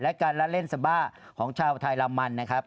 และการละเล่นสบาของชาวไทยรามันนะครับ